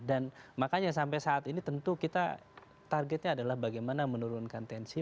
dan makanya sampai saat ini tentu kita targetnya adalah bagaimana menurunkan tensi